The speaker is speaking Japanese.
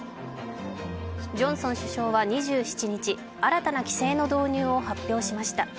ジョンソン首相は２７日新たな規制の導入を発表しました。